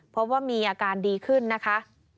เพราะว่ามีอาการดีขึ้นนะคะ